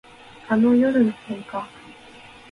あの夜の喧嘩